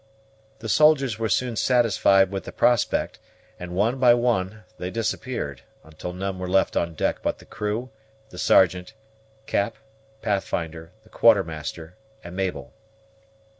The soldiers were soon satisfied with the prospect, and one by one they disappeared, until none were left on deck but the crew, the Sergeant, Cap, Pathfinder, the Quartermaster, and Mabel.